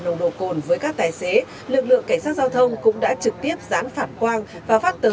nồng độ cồn với các tài xế lực lượng cảnh sát giao thông cũng đã trực tiếp dán phản quang và phát tờ